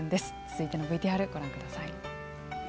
続いてのＶＴＲご覧ください。